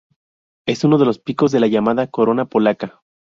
Es uno de los picos de la llamada "corona polaca".